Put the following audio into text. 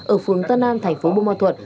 ở phương tân an thành phố buôn ma thuột